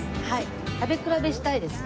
食べ比べしたいですね。